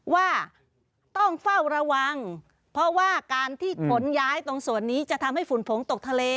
ว่าต้องเฝ้าระวังเพราะว่าการที่ขนย้ายตรงส่วนนี้จะทำให้ฝุ่นผงตกทะเล